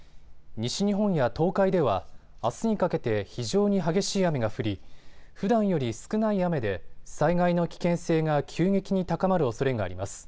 西日本や東海では、あすにかけて非常に激しい雨が降り、ふだんより少ない雨で災害の危険性が急激に高まるおそれがあります。